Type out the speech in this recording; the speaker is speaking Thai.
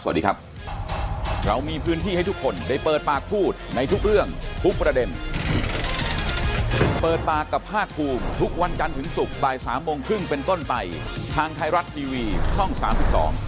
บอสนะครับคุณผู้ชมครับเปิดปากกับภาคภูมินะครับพบกันใหม่จันทร์หน้าบ่ายสามครึ่งครับสวัสดีครับ